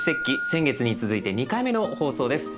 先月に続いて２回目の放送です。